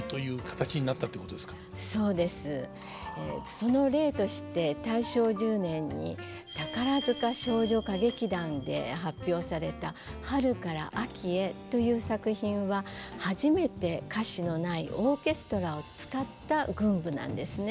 その例として大正１０年に宝塚少女歌劇団で発表された「春から秋へ」という作品は初めて歌詞のないオーケストラを使った群舞なんですね。